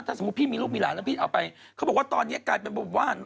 ถ้าสมมุติพี่มีลูกมีหลานแล้วพี่เอาไปเขาบอกว่าตอนนี้กลายเป็นแบบว่า